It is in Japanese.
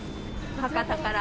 博多から。